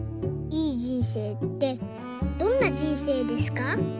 いい人生ってどんな人生ですか？」。